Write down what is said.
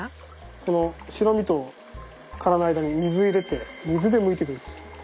この白身と殻の間に水を入れて水でむいてくんです。